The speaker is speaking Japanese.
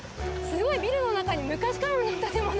すごいビルの中に昔からの建物が。